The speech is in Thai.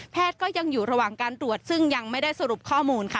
ก็ยังอยู่ระหว่างการตรวจซึ่งยังไม่ได้สรุปข้อมูลค่ะ